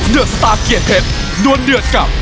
เดือดสตาร์เกียรติเพชรดวนเดือดกับ